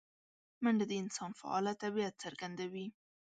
منډه د انسان فعاله طبیعت څرګندوي